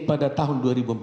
pada tahun dua ribu empat belas